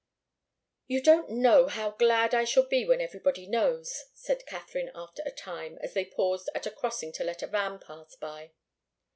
"You don't know how glad I shall be when everybody knows," said Katharine after a time, as they paused at a crossing to let a van pass by.